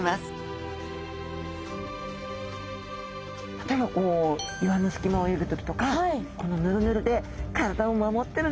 例えば岩の隙間を泳ぐ時とかこのヌルヌルで体を守ってるんですね。